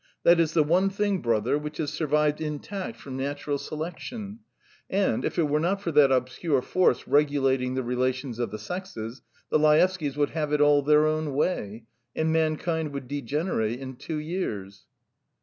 That is the one thing, brother, which has survived intact from natural selection, and, if it were not for that obscure force regulating the relations of the sexes, the Laevskys would have it all their own way, and mankind would degenerate in two years."